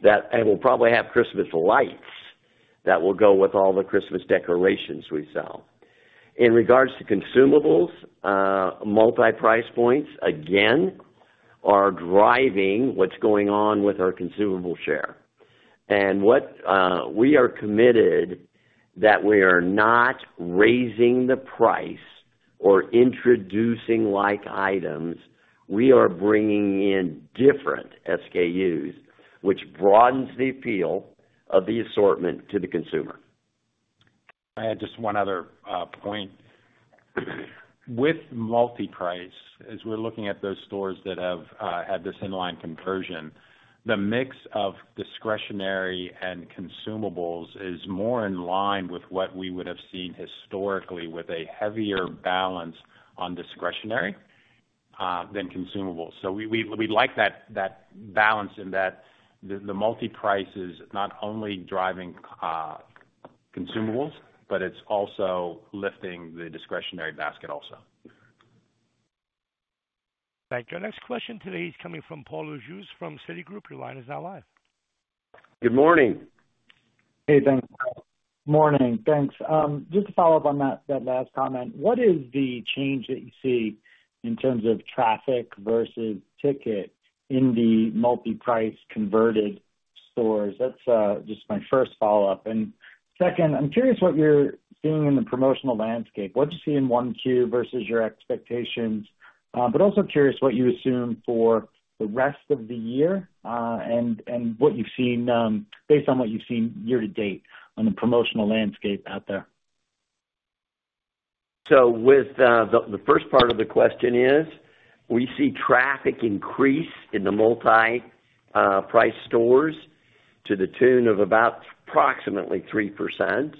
that and we'll probably have Christmas lights that will go with all the Christmas decorations we sell. In regards to consumables, Multi-Price points, again, are driving what's going on with our consumable share. And what, we are committed that we are not raising the price or introducing like items. We are bringing in different SKUs, which broadens the appeal of the assortment to the consumer. I had just one other point. With Multi-Price, as we're looking at those stores that have had this in-line conversion, the mix of Discretionary and Consumables is more in line with what we would have seen historically, with a heavier balance on Discretionary than Consumables. So we like that balance in that the Multi-Price is not only driving Consumables, but it's also lifting the Discretionary basket also. Thank you. Our next question today is coming from Paul Lejuez from Citigroup. Your line is now live. Good morning. Hey, thanks. Morning, thanks. Just to follow up on that, that last comment, what is the change that you see in terms of traffic versus ticket in the Multi-Price converted stores? That's just my first follow-up. And second, I'm curious what you're seeing in the promotional landscape. What'd you see in 1Q versus your expectations? But also curious what you assume for the rest of the year, and, and what you've seen, based on what you've seen year to date on the promotional landscape out there. So with the first part of the question is, we see traffic increase in the Multi-Price stores to the tune of about approximately 3%.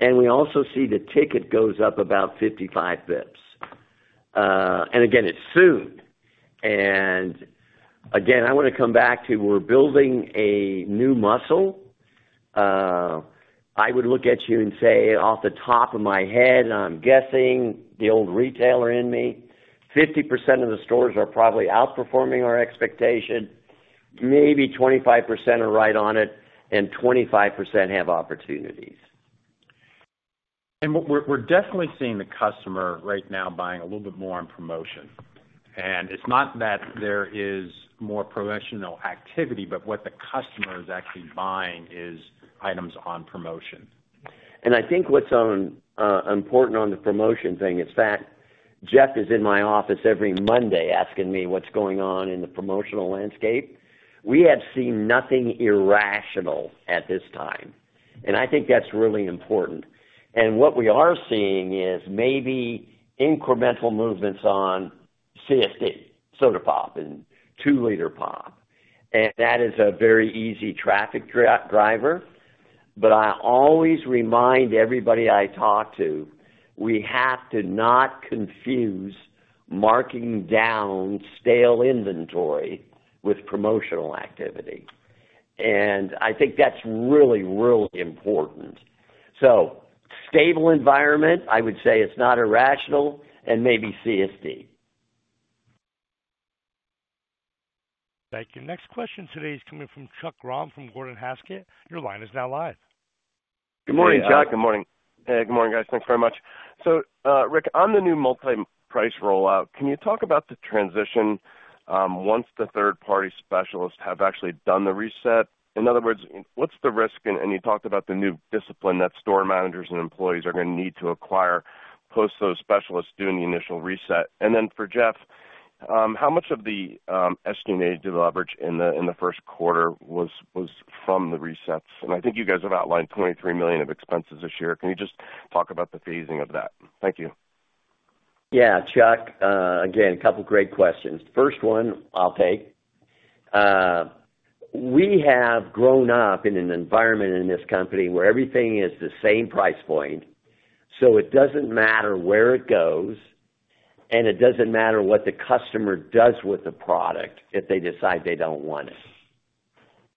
And we also see the ticket goes up about 55 bps. And again, it's soon. And again, I wanna come back to we're building a new muscle. I would look at you and say, off the top of my head, I'm guessing, the old retailer in me, 50% of the stores are probably outperforming our expectation, maybe 25% are right on it, and 25% have opportunities. And we're definitely seeing the customer right now buying a little bit more on promotion. And it's not that there is more promotional activity, but what the customer is actually buying is items on promotion. And I think what's important on the promotion thing is that Jeff is in my office every Monday asking me what's going on in the promotional landscape. We have seen nothing irrational at this time. And I think that's really important. And what we are seeing is maybe incremental movements on CSD, soda pop, and two-liter pop, and that is a very easy traffic driver. But I always remind everybody I talk to, we have to not confuse marking down stale inventory with promotional activity, and I think that's really, really important. So stable environment, I would say it's not irrational and maybe CSD. Thank you. Next question today is coming from Chuck Grom from Gordon Haskett. Your line is now live. Good morning, Chuck. Good morning. Hey, good morning, guys. Thanks very much. So, Rick, on the new Multi-Price rollout, can you talk about the transition once the third-party specialists have actually done the reset? In other words, what's the risk? And you talked about the new discipline that store managers and employees are gonna need to acquire, post those specialists doing the initial reset. And then for Jeff, how much of the SG&A deleverage in the first quarter was from the resets? And I think you guys have outlined $23 million of expenses this year. Can you just talk about the phasing of that? Thank you. Yeah, Chuck, again, a couple great questions. First one I'll take. We have grown up in an environment in this company where everything is the same price point, so it doesn't matter where it goes, and it doesn't matter what the customer does with the product if they decide they don't want it.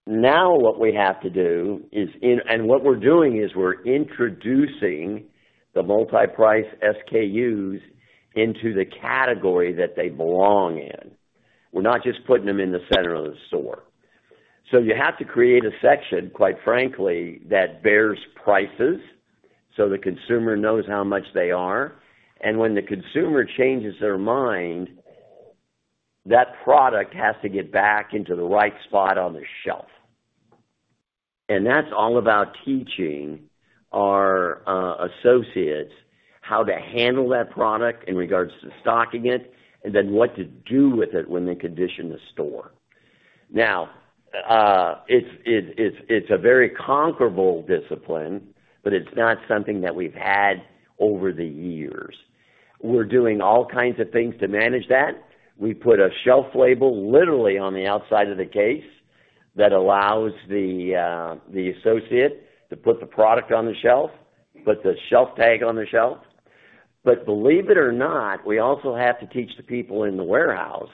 Now, what we have to do is... And what we're doing is we're introducing the Multi-Price SKUs into the category that they belong in. We're not just putting them in the center of the store. So you have to create a section, quite frankly, that bears prices, so the consumer knows how much they are, and when the consumer changes their mind, that product has to get back into the right spot on the shelf. That's all about teaching our associates how to handle that product in regards to stocking it and then what to do with it when they condition the store. Now, it's a very conquerable discipline, but it's not something that we've had over the years. We're doing all kinds of things to manage that. We put a shelf label, literally, on the outside of the case that allows the associate to put the product on the shelf, put the shelf tag on the shelf. But believe it or not, we also have to teach the people in the warehouse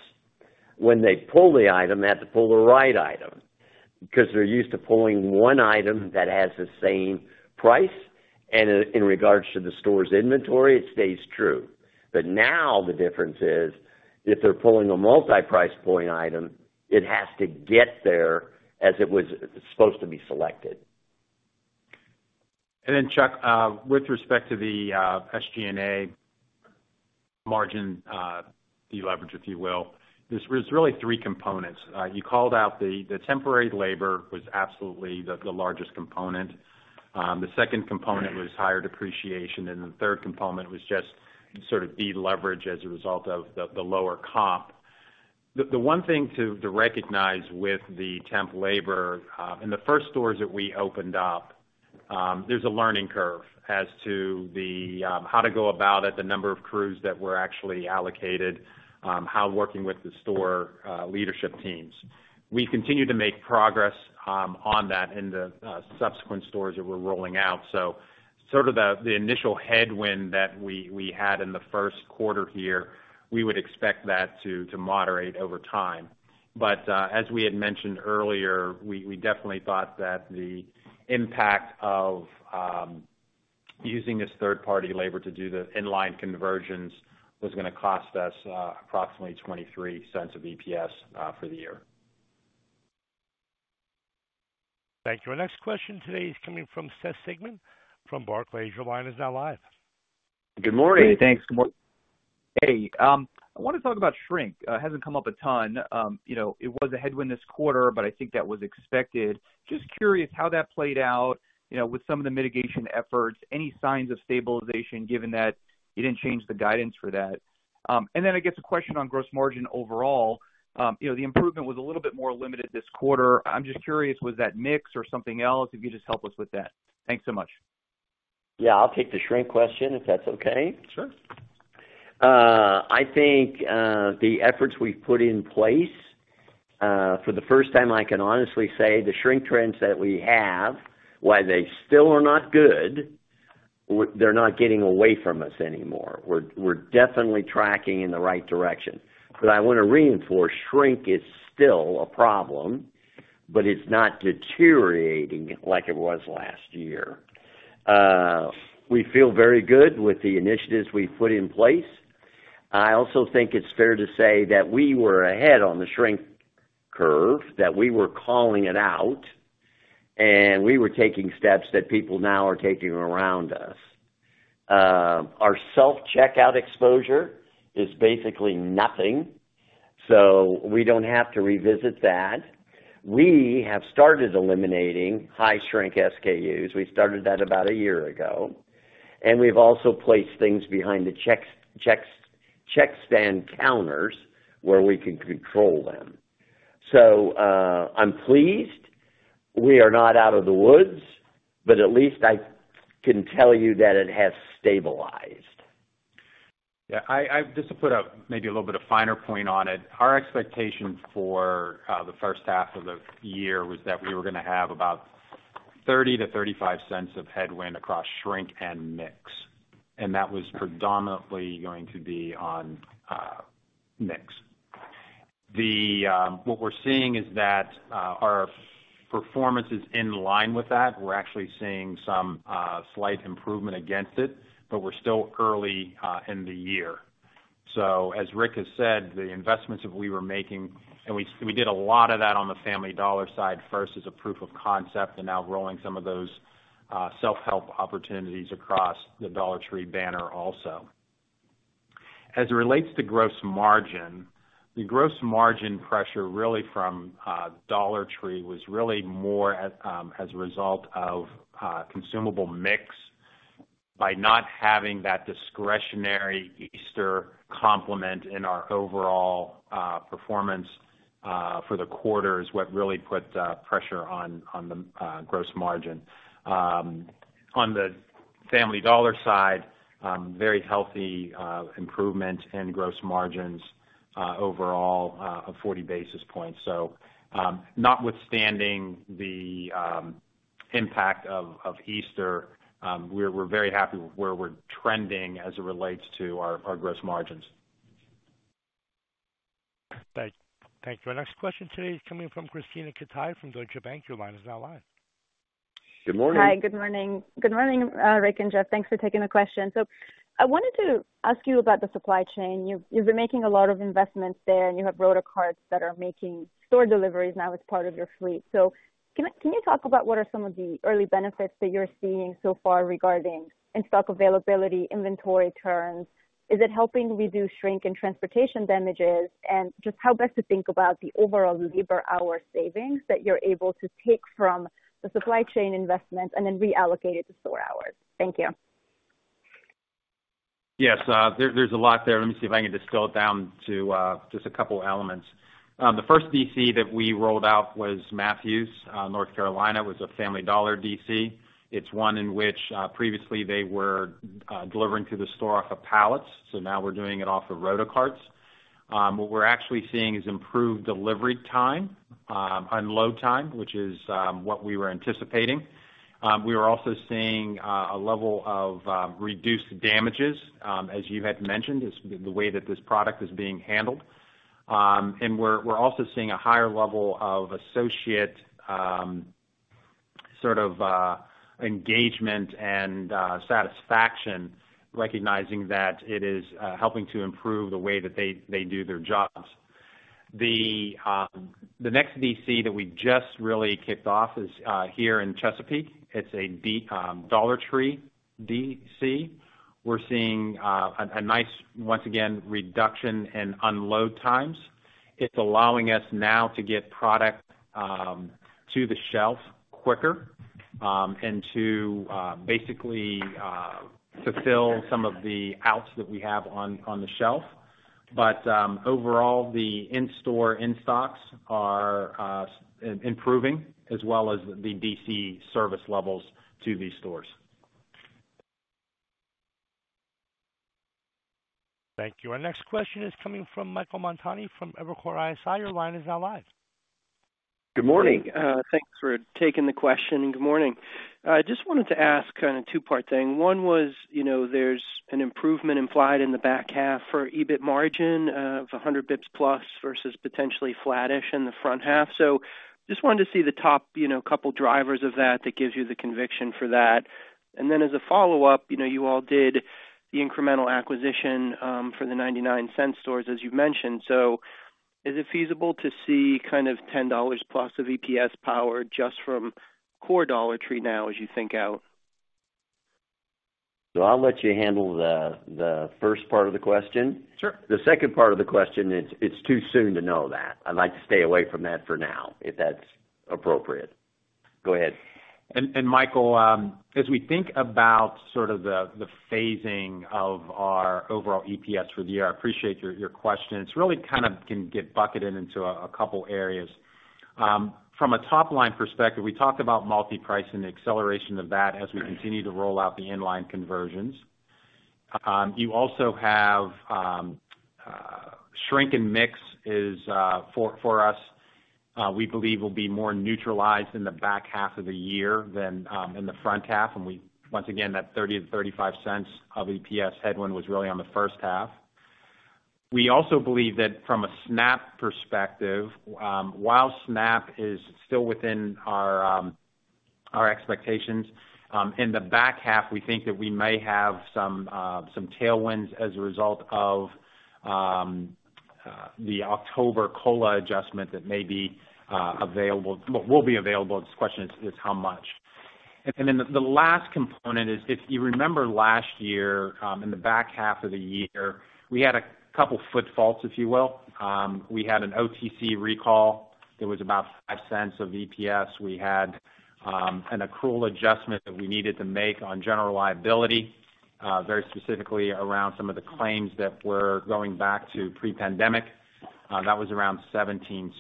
when they pull the item, they have to pull the right item, because they're used to pulling one item that has the same price, and in regards to the store's inventory, it stays true. But now the difference is, if they're pulling a Multi-Price point item, it has to get there as it was supposed to be selected. Then, Chuck, with respect to the SG&A margin deleverage, if you will, there's really three components. You called out the temporary labor was absolutely the largest component. The second component was higher depreciation, and the third component was just sort of deleverage as a result of the lower comp. The one thing to recognize with the temp labor in the first stores that we opened up, there's a learning curve as to the how to go about it, the number of crews that were actually allocated, how working with the store leadership teams. We've continued to make progress on that in the subsequent stores that we're rolling out. So sort of the initial headwind that we had in the first quarter here, we would expect that to moderate over time. But, as we had mentioned earlier, we definitely thought that the impact of using this third-party labor to do the inline conversions was gonna cost us approximately $0.23 a EPS for the year. Thank you. Our next question today is coming from Seth Sigman from Barclays. Your line is now live. Good morning, Seth. Good morning. Hey, I want to talk about shrink. It hasn't come up a ton. You know, it was a headwind this quarter, but I think that was expected. Just curious how that played out, you know, with some of the mitigation efforts. Any signs of stabilization, given that you didn't change the guidance for that? And then I guess, a question on gross margin overall. You know, the improvement was a little bit more limited this quarter. I'm just curious, was that mix or something else? If you could just help us with that. Thanks so much. Yeah, I'll take the shrink question, if that's okay. Sure. I think the efforts we've put in place, for the first time, I can honestly say the shrink trends that we have, while they still are not good, they're not getting away from us anymore. We're definitely tracking in the right direction. But I want to reinforce, shrink is still a problem, but it's not deteriorating like it was last year. We feel very good with the initiatives we've put in place. I also think it's fair to say that we were ahead on the shrink curve, that we were calling it out, and we were taking steps that people now are taking around us. Our self-checkout exposure is basically nothing, so we don't have to revisit that. We have started eliminating high shrink SKUs. We started that about a year ago, and we've also placed things behind the checkstand counters, where we can control them. So, I'm pleased. We are not out of the woods, but at least I can tell you that it has stabilized. Yeah, I just to put a maybe a little bit of finer point on it, our expectation for the first half of the year was that we were gonna have about $0.30-$0.35 of headwind across shrink and mix, and that was predominantly going to be on mix. What we're seeing is that our performance is in line with that. We're actually seeing some slight improvement against it, but we're still early in the year. So as Rick has said, the investments that we were making, and we did a lot of that on the Family Dollar side first as a proof of concept, and now rolling some of those self-help opportunities across the Dollar Tree banner also. As it relates to gross margin, the gross margin pressure, really from Dollar Tree, was really more as a result of consumable mix. By not having that discretionary Easter complement in our overall performance for the quarter is what really put pressure on the gross margin. On the Family Dollar side, very healthy improvement in gross margins overall of 40 basis points. So, notwithstanding the impact of Easter, we're very happy with where we're trending as it relates to our gross margins. Thank you. Thank you. Our next question today is coming from Krisztina Katai from Deutsche Bank. Your line is now live. Good morning. Hi, good morning. Good morning, Rick and Jeff. Thanks for taking the question. So I wanted to ask you about the supply chain. You've been making a lot of investments there, and you have Rotocarts that are making store deliveries now as part of your fleet. So can you talk about what are some of the early benefits that you're seeing so far regarding in-stock availability, inventory turns? Is it helping reduce shrink and transportation damages? And just how best to think about the overall labor hour savings that you're able to take from the supply chain investments and then reallocate it to store hours? Thank you. Yes, there's a lot there. Let me see if I can distill it down to just a couple elements. The first DC that we rolled out was Matthews, North Carolina, a Family Dollar DC. It's one in which previously they were delivering to the store off of pallets, so now we're doing it off of Rotocarts. What we're actually seeing is improved delivery time, unload time, which is what we were anticipating. We are also seeing a level of reduced damages, as you had mentioned, is the way that this product is being handled. And we're also seeing a higher level of associate sort of engagement and satisfaction, recognizing that it is helping to improve the way that they do their jobs. The next DC that we just really kicked off is here in Chesapeake. It's a Dollar Tree DC. We're seeing a nice, once again, reduction in unload times. It's allowing us now to get product to the shelf quicker and to basically fulfill some of the outs that we have on the shelf. But overall, the in-store in-stocks are improving, as well as the DC service levels to these stores. Thank you. Our next question is coming from Michael Montani from Evercore ISI. Your line is now live. Good morning. Thanks for taking the question, and good morning. I just wanted to ask kind of a two-part thing. One was, you know, there's an improvement implied in the back half for EBIT margin of 100 basis points plus, versus potentially flattish in the front half. So just wanted to see the top, you know, couple drivers of that, that gives you the conviction for that. And then as a follow-up, you know, you all did the incremental acquisition for the 99-cent stores, as you mentioned. So is it feasible to see kind of $10+ of EPS power just from core Dollar Tree now, as you think out? I'll let you handle the first part of the question. Sure. The second part of the question, it's too soon to know that. I'd like to stay away from that for now, if that's appropriate. Go ahead. Michael, as we think about sort of the phasing of our overall EPS for the year, I appreciate your question. It's really kind of can get bucketed into a couple areas. From a top-line perspective, we talked about multi-pricing and the acceleration of that as we continue to roll out the inline conversions. You also have shrink and mix is, for us, we believe will be more neutralized in the back half of the year than in the front half. And we once again, that $0.30-$0.35 of EPS headwind was really on the first half. We also believe that from a SNAP perspective, while SNAP is still within our expectations, in the back half, we think that we may have some tailwinds as a result of the October COLA adjustment that may be available. Well, will be available. The question is how much? And then the last component is, if you remember last year, in the back half of the year, we had a couple foot faults, if you will. We had an OTC recall that was about $0.05 of EPS. We had an accrual adjustment that we needed to make on general liability, very specifically around some of the claims that were going back to pre-pandemic, that was around $0.17.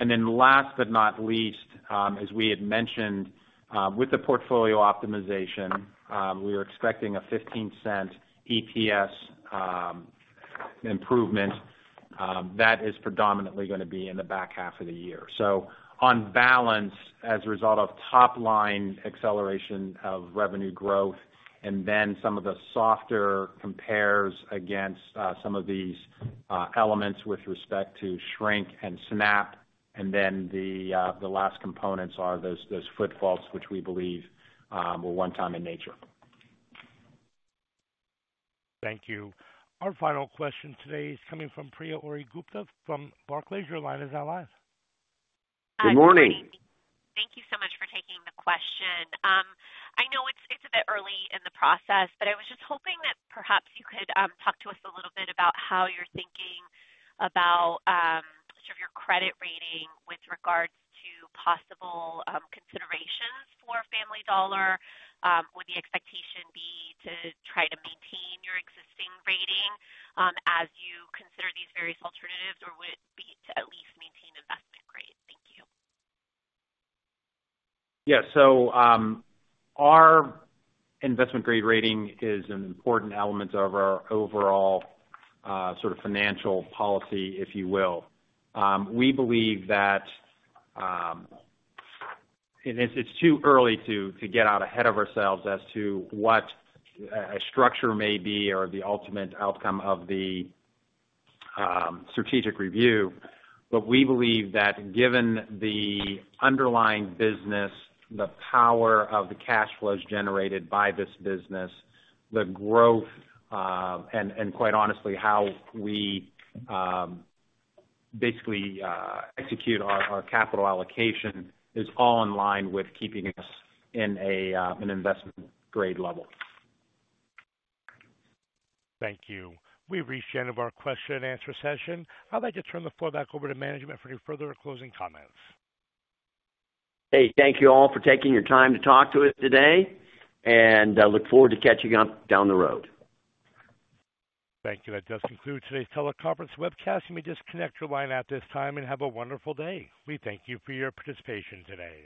And then last but not least, as we had mentioned, with the portfolio optimization, we were expecting a $0.15 EPS improvement that is predominantly gonna be in the back half of the year. So on balance, as a result of top line acceleration of revenue growth and then some of the softer compares against some of these elements with respect to shrink and SNAP, and then the last components are those, those foot faults, which we believe were one-time in nature. Thank you. Our final question today is coming from Priya Ohri-Gupta from Barclays. Your line is now live. Good morning. Thank you so much for taking the question. I know it's a bit early in the process, but I was just hoping that perhaps you could talk to us a little bit about how you're thinking about sort of your credit rating with regards to possible considerations for Family Dollar. Would the expectation be to try to maintain your existing rating as you consider these various alternatives, or would it be to at least maintain Investment Grade? Thank you. Yeah. So, our Investment Grade rating is an important element of our overall, sort of financial policy, if you will. We believe that, and it's too early to get out ahead of ourselves as to what a structure may be or the ultimate outcome of the strategic review. But we believe that given the underlying business, the power of the cash flows generated by this business, the growth, and quite honestly, how we basically execute our capital allocation is all in line with keeping us in an Investment Grade level. Thank you. We've reached the end of our question and answer session. I'd like to turn the floor back over to management for any further closing comments. Hey, thank you all for taking your time to talk to us today, and look forward to catching up down the road. Thank you. That does conclude today's teleconference webcast. You may disconnect your line at this time and have a wonderful day. We thank you for your participation today.